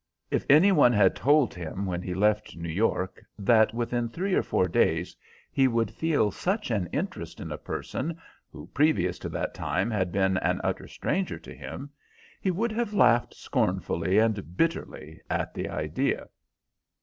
If any one had told him when he left New York that, within three or four days he could feel such an interest in a person who previous to that time had been an utter stranger to him, he would have laughed scornfully and bitterly at the idea.